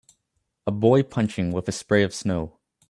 A boy punching with a spray of snow